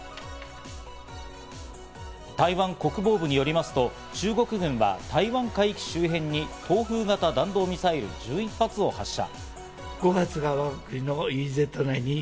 台湾国防部によりますと、中国軍は台湾海域周辺に東風型弾道ミサイル１１発を発射。